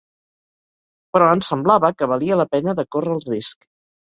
Però ens semblava que valia la pena de córrer el risc